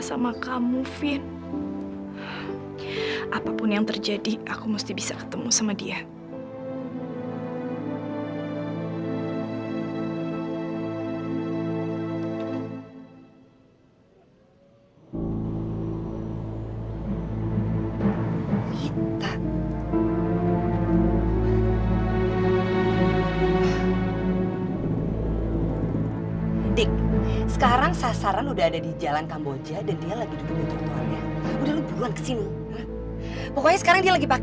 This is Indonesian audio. sampai jumpa di video selanjutnya